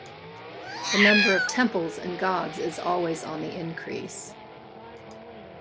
The number of temples and gods is always on the increase.